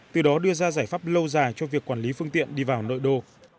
từ đó đưa ra giải pháp lâu dài cho việc quản lý phương tiện đi vào nội đô